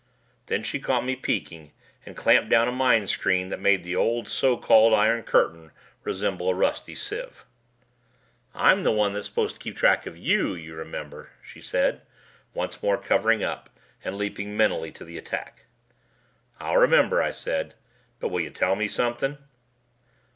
Then she caught me peeking and clamped down a mind screen that made the old so called "Iron Curtain" resemble a rusty sieve. "I'm the one that's supposed to keep track of you, you remember," she said, once more covering up and leaping mentally to the attack. "I'll remember," I said. "But will you tell me something?"